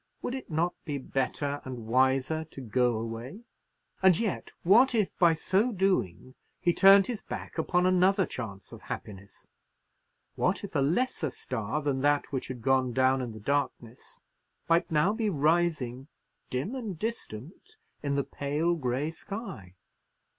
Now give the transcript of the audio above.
Would it not be better and wiser to go away? And yet what if by so doing he turned his back upon another chance of happiness? What if a lesser star than that which had gone down in the darkness might now be rising dim and distant in the pale grey sky?